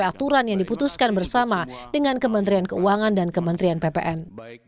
aturan yang diputuskan bersama dengan kementerian keuangan dan kementerian ppn